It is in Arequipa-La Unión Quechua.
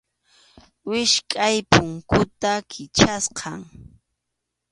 Wichqʼay punkuta Kichasqam.